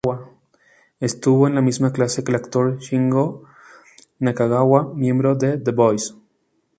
Estuvo en la misma clase que el actor Shingo Nakagawa, miembro de D-Boys.